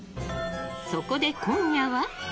そこで今夜は。